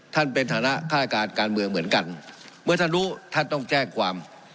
ในฐานะฆาตการการเมืองเหมือนกันเมื่อท่านรู้ท่านต้องแจ้งความ